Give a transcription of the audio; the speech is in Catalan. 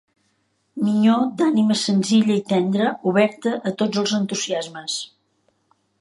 Minyó d'ànima senzilla i tendra, oberta a tots els entusiasmes